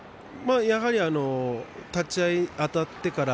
やはり立ち合いあたってから